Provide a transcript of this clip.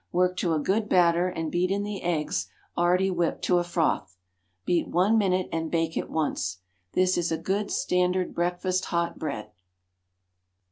Work to a good batter and beat in the eggs already whipped to a froth. Beat one minute and bake at once. This is a good standard breakfast hot bread.